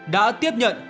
đã tiếp nhận